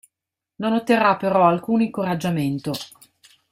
Non otterrà però alcun incoraggiamento.